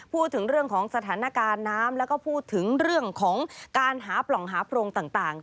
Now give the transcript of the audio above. พูดถึงเรื่องของสถานการณ์น้ำแล้วก็พูดถึงเรื่องของการหาปล่องหาโพรงต่าง